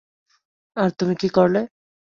আর তুমি কি করলে?